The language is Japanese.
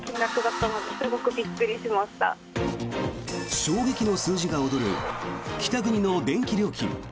衝撃の数字が躍る北国の電気料金。